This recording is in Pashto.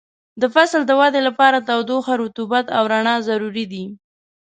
د فصل د ودې لپاره تودوخه، رطوبت او رڼا ضروري دي.